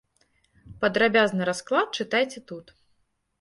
Падрабязны расклад чытайце тут.